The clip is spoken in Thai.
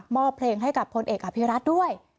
มอบเพลงให้กับพลเอกอภิรัฐด้วย